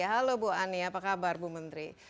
halo bu ani apa kabar bu menteri